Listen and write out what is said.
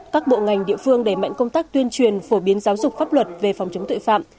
các bộ ngành địa phương đẩy mạnh công tác tuyên truyền phổ biến giáo dục pháp luật về phòng chống tội phạm